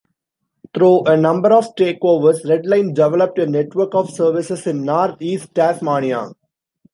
Through a number of takeovers, Redline developed a network of services in north-east Tasmania.